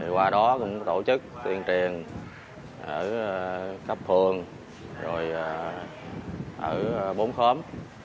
qua đó cũng tổ chức tuyên truyền ở cấp phường rồi ở bốn khóm